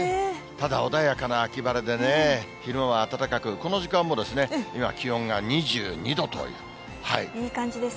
ただ穏やかな秋晴れでね、昼間は暖かく、この時間もですね、今、いい感じですね。